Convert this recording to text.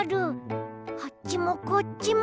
あっちもこっちも。